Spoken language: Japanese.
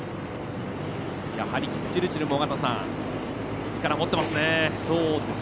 やはり、キプチルチルも力を持っていますね。